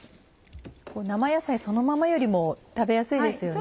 生野菜そのままよりも食べやすいですよね。